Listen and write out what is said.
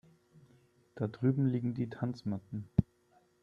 Da drüben liegen die Tanzmatten.